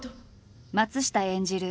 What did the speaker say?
松下演じる